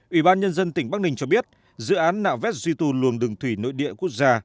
ủy ban nhân dân tỉnh bắc ninh cho biết dự án nạo vét duy tù luồng đường thủy nội địa quốc gia